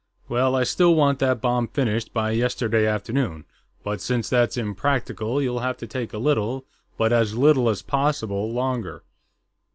Well, I still want that bomb finished by yesterday afternoon, but since that's impractical, you'll have to take a little but as little as possible longer."